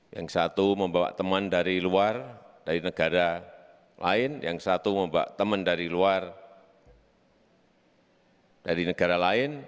yang satu membawa teman dari luar dari negara lain